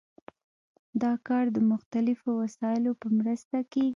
دا کار د مختلفو وسایلو په مرسته کیږي.